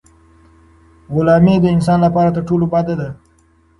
غلامي د انسان لپاره تر ټولو بده ده.